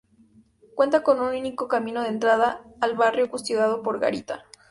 Cuenta con un único camino de entrada al barrio custodiado por garita.